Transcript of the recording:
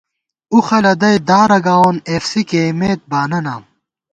اوخہ لدَئی دارہ گاوون ایف سی کېئیمت بانہ نام